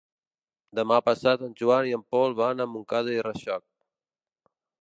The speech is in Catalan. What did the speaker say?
Demà passat en Joan i en Pol van a Montcada i Reixac.